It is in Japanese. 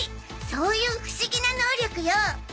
そういう不思議な能力よ